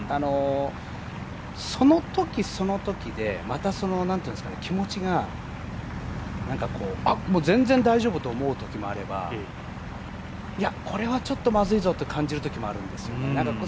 そのとき、そのときでまた気持ちがあっ、全然大丈夫と思うときもあればいや、これはちょっとまずいぞと感じるときもあるんですね。